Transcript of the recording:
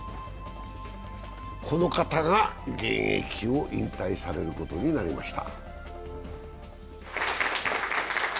この方が現役を引退されることになりました。